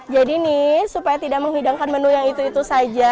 jadi nih supaya tidak menghidangkan menu yang itu itu saja